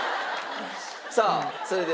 さあそれでは。